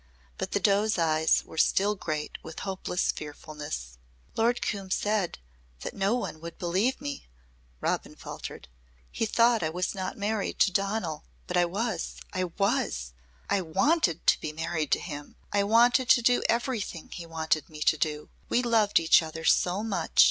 But the doe's eyes were still great with hopeless fearfulness. "Lord Coombe said that no one would believe me," Robin faltered. "He thought I was not married to Donal. But I was I was. I wanted to be married to him. I wanted to do everything he wanted me to do. We loved each other so much.